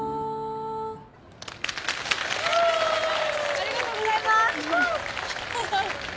ありがとうございます！